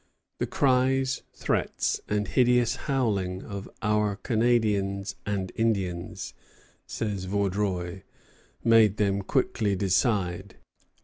"The cries, threats, and hideous howling of our Canadians and Indians," says Vaudreuil, "made them quickly decide."